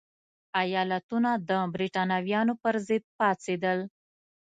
ایالتونه د برېټانویانو پرضد پاڅېدل.